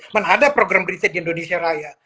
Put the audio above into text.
mana ada program riset di indonesia raya